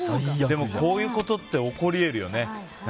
でもこういうことって起こり得るよね。